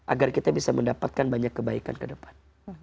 agar kita bisa mendapatkan banyak kebaikan ke depan